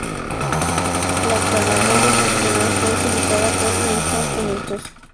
La claraboya función fue utilizado por Nissan en el Quest.